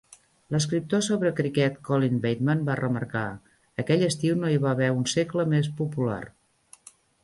L'escriptor sobre criquet Colin Bateman va remarcar: "aquell estiu no hi va haver un segle més popular".